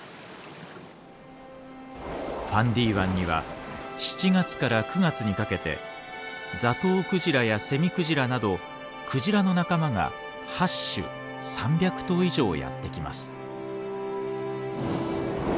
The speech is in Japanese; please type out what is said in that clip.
ファンディ湾には７月から９月にかけてザトウクジラやセミクジラなどクジラの仲間が８種３００頭以上やって来ます。